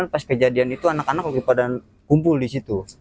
pas kejadian itu anak anak lagi pada kumpul di situ